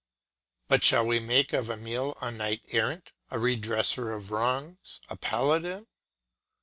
But shall we make of Emile a knight errant, a redresser of wrongs, a paladin?